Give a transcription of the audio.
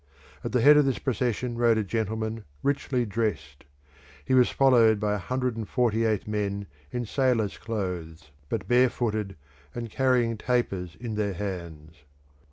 At the head of this procession rode a gentleman richly dressed; he was followed by a hundred and forty eight men in sailors' clothes, but bare footed, and carrying tapers in their hands.